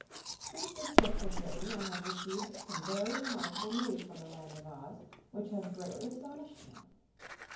Since this book was written I have received some very remarkable News from The Land of Oz, which has greatly astonished me.